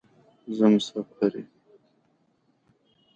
زه مسافر یم.